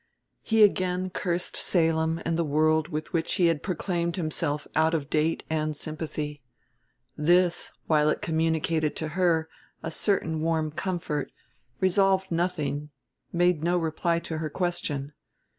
He again cursed Salem and the world with which he had proclaimed himself out of date and sympathy. This, while it communicated to her a certain warm comfort, resolved nothing, made no reply to her question.